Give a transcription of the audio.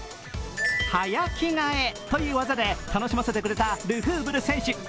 早着替えという技で楽しませてくれたルフーブル選手。